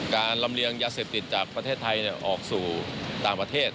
ลำเลียงยาเสพติดจากประเทศไทยออกสู่ต่างประเทศ